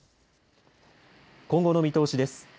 今後の見通しです。